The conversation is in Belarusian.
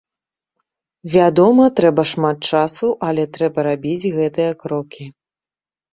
Вядома, трэба шмат часу, але трэба рабіць гэтыя крокі.